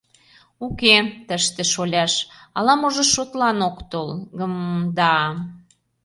– Уке, тыште, шоляш, ала-можо шотлан ок тол... гм... да!